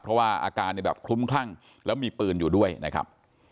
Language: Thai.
เพราะว่าอาการเนี่ยแบบคลุ้มคลั่งแล้วมีปืนอยู่ด้วยนะครับ